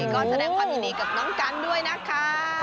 ก็แสดงความยินดีกับน้องกันด้วยนะคะ